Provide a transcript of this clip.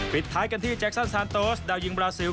ปิดท้ายกันที่แจ็คซันซานโตสดาวยิงบราซิล